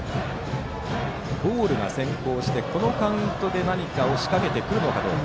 ボールが先行してこのカウントで何かをしかけてくるのかどうか。